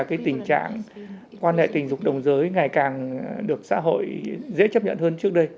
thứ hai là tình trạng quan hệ tình dục đồng giới ngày càng được xã hội dễ chấp nhận hơn trước đây